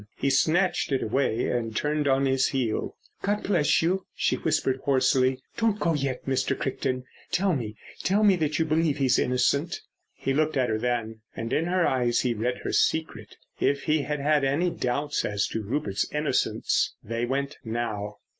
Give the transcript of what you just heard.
He snatched it away and turned on his heel. "God bless you!" she whispered hoarsely. "Don't go yet, Mr. Crichton. Tell me—tell me that you believe he's innocent?" He looked at her then. And in her eyes he read her secret. If he had had any doubts as to Rupert's innocence they went now.